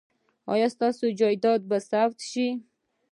ایا ستاسو جایداد به ثبت شي؟